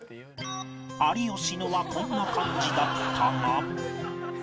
有吉のはこんな感じだったが